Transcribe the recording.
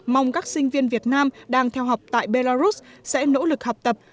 mong các sinh viên việt nam đang theo học tại belarus sẽ nỗ lực học tập